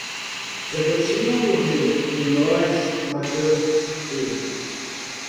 Zé Gotinha morreu e nós matamos ele.